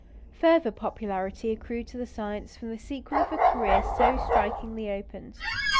Further popularity accrued to the science from the sequel of a career so strikingly opened.